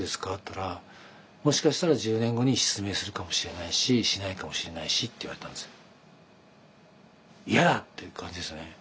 ったら「もしかしたら１０年後に失明するかもしれないししないかもしれないし」って言われたんですよ。